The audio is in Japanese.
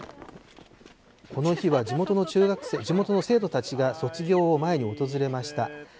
この日は地元の生徒たちが卒業を前に訪れました。